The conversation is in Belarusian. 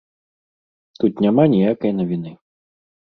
Тут няма ніякай навіны.